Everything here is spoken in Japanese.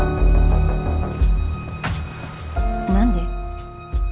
何で？